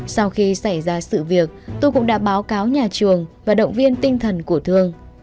sau khi xảy ra sự việc tôi cũng đã báo cáo nhà trường và động viên tinh thần của thương